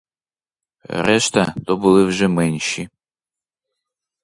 Решта — то були вже менші.